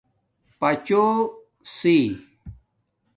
پاچوسی